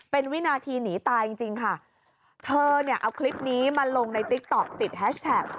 เป็นวินาทีหนีตายจริงจริงค่ะเธอเนี่ยเอาคลิปนี้มาลงในติ๊กต๊อกติดแฮชแท็ก